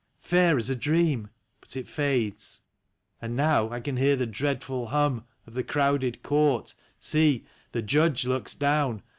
Fair as a dream ... but it fades ... And now — I can hear the dreadful hum Of the crowded court ... See ! the Judge looks down